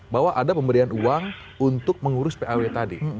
bahwa ada pemberian uang untuk mengurus paw tadi